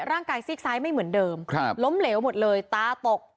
ซีกซ้ายไม่เหมือนเดิมล้มเหลวหมดเลยตาตก